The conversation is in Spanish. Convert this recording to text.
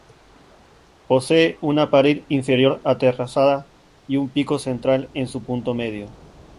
Posee una pared interior aterrazada y un pico central en su punto medio.